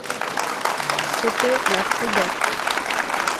C’était la frégate.